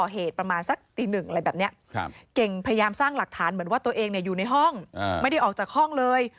เหมือนว่าตัวเองอยู่ในห้องไม่ได้ออกจากห้องเลย